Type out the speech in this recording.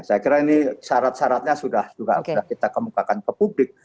saya kira ini syarat syaratnya sudah kita kemukakan ke publik